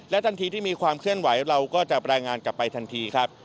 ทันทีที่มีความเคลื่อนไหวเราก็จะรายงานกลับไปทันทีครับ